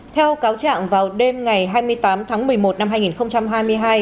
theo cáo trạng vào đêm ngày hai mươi tám tháng một mươi một năm hai nghìn hai mươi hai